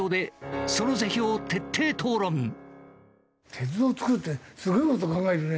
鉄道造るってすごい事考えるね。